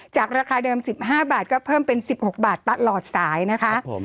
ราคาเดิม๑๕บาทก็เพิ่มเป็น๑๖บาทตลอดสายนะคะ